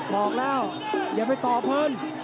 บอกแล้วอย่าไปต่อพื้น